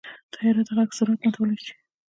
طیاره د غږ سرعت ماتولی شي.